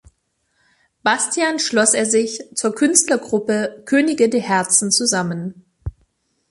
Bastian schloss er sich zur Künstlergruppe "Könige der Herzen" zusammen.